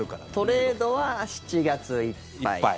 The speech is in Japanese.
トレードは７月いっぱい。